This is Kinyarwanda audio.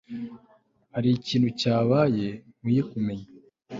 Hari ikintu cyabaye nkwiye kumenya